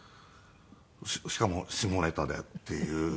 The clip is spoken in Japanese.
しかも下ネタでっていう。